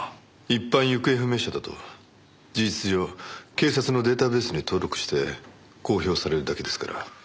一般行方不明者だと事実上警察のデータベースに登録して公表されるだけですから。